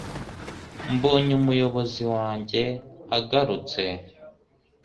mbonye umuyobozi wanjye agarutse